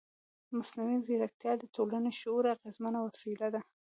مصنوعي ځیرکتیا د ټولنیز شعور اغېزمنه وسیله ده.